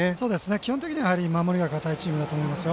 基本的には守りが堅いと思いますよ。